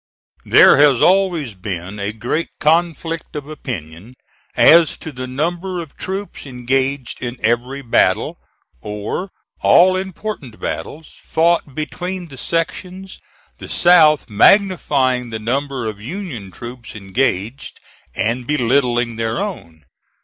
There has always been a great conflict of opinion as to the number of troops engaged in every battle, or all important battles, fought between the sections, the South magnifying the number of Union troops engaged and belittling their own.